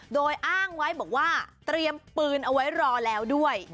โดยอ้างไว้บอกว่าเตรียมปืนเอาไว้รอแล้วด้วย